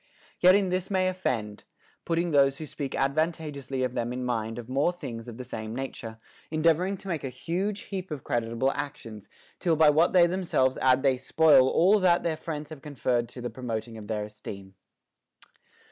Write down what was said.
Yet in this many offend, putting those λυΙιο speak advantageously of them in mind of more things of the same nature ; endeavoring to make a huge heap of creditable actions, till by what they themselves add they spoil all that their friends have conferred to the promot ing their esteem.